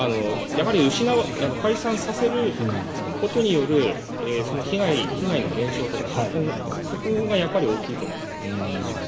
解散させることによるその被害の減少とかそこがやっぱり大きいと思います。